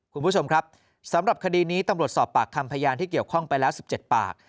คุณผู้ชมครับสำหรับคดีนี้ตำรวจสอบปากคำพยานที่เกี่ยวข้องไปแล้ว๑๗ปาก